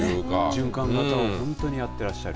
循環型を本当にやっていらっしゃる。